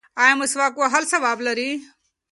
ایا مسواک وهل ثواب لري؟